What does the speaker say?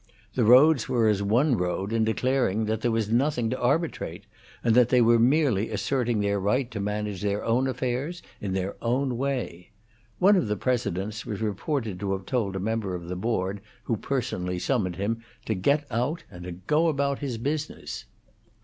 The roads were as one road in declaring that there was nothing to arbitrate, and that they were merely asserting their right to manage their own affairs in their own way. One of the presidents was reported to have told a member of the Board, who personally summoned him, to get out and to go about his business.